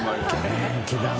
元気だな。